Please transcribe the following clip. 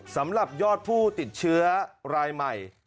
สำหรับยอดผู้ติดเชื้อรายใหม่